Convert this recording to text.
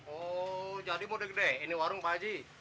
oh jadi mau digede ini warung pak ji